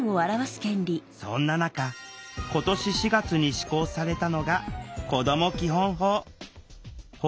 そんな中今年４月に施行されたのが「こども基本法」。